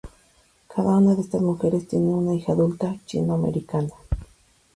Cada una de estas mujeres tiene una hija adulta chino-americana.